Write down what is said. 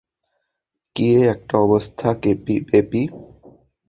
কি একটা অবস্থা, বেপি?